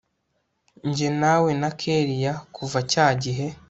njye nawe na kellia kuva cyagihe